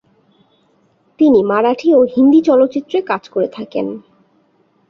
তিনি মারাঠি ও হিন্দি চলচ্চিত্রে কাজ করে থাকেন।